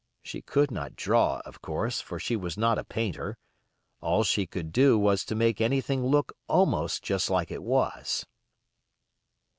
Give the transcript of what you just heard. She could not draw, of course, for she was not a painter; all she could do was to make anything look almost just like it was.